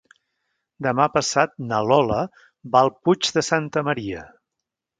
Demà passat na Lola va al Puig de Santa Maria.